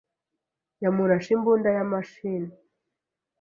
Yamurashe imbunda ya mashini.